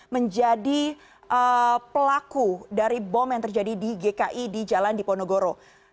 menjadi pelaku dari bom yang terjadi di gki di jalan diponegoro